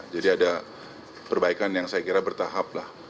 jadi ada perbaikan yang saya kira bertahap lah